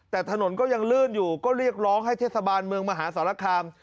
แต่ถนนก็ยังลื่นอยู่ก็เรียกร้องให้เทศบาลเมืองมหาสารคาม